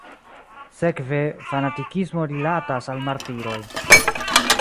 Sekve, fanatikismo rilatas al martiroj.